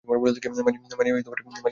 মানিয়া, এখানে কী করছ?